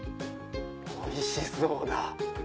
おいしそうだ。